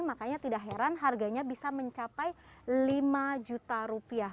makanya tidak heran harganya bisa mencapai lima juta rupiah